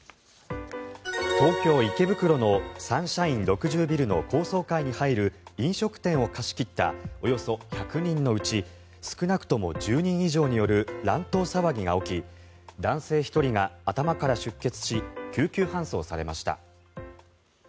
東京・池袋のサンシャイン６０ビルの高層階に入る飲食店を貸し切ったおよそ１００人のうち少なくとも１０人以上による乱闘騒ぎが起き男性１人が頭から出血し救急搬送されました。